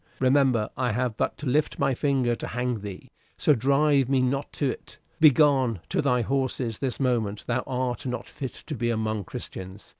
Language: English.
Remember I have but to lift my finger to hang thee, so drive me not to't. Begone to thy horses this moment; thou art not fit to be among Christians.